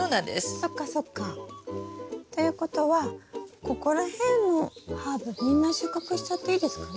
そっかそっか。ということはここら辺のハーブみんな収穫しちゃっていいですかね？